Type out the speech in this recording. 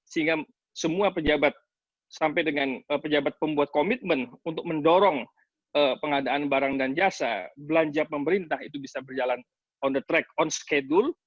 sehingga semua pejabat sampai dengan pejabat pembuat komitmen untuk mendorong pengadaan barang dan jasa belanja pemerintah itu bisa berjalan on the track on schedule